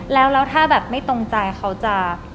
แล้วถ้าแบบไม่ตรงใจเขาจะ